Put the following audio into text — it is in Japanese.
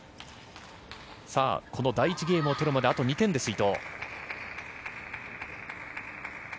この第１ゲームを取るまであと２点です、伊藤。